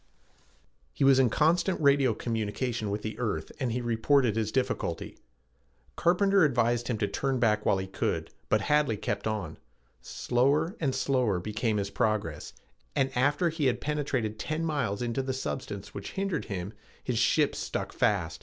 He was in constant radio communication with the earth and he reported his difficulty. Carpenter advised him to turn back while he could, but Hadley kept on. Slower and slower became his progress, and after he had penetrated ten miles into the substance which hindered him, his ship stuck fast.